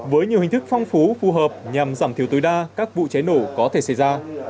với nhiều hình thức phong phú phù hợp nhằm giảm thiểu tối đa các vụ cháy nổ có thể xảy ra